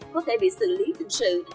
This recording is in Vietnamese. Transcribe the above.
có thể bị xử lý tình sự